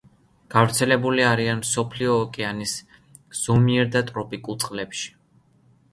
გავრცელებული არიან მსოფლიო ოკეანის ზომიერ და ტროპიკულ წყლებში.